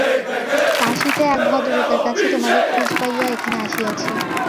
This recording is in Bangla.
কাশীতে এক ভদ্রলোকের কাছে তোমাদের খোঁজ পাইয়া এখানে আসিয়াছি।